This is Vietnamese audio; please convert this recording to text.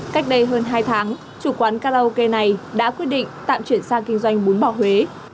cách đây hơn hai tháng chủ quán karaoke này đã quyết định tạm chuyển sang kinh doanh bún bò huế